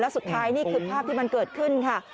สุดท้ายนี่คือภาพที่มันเกิดขึ้นค่ะ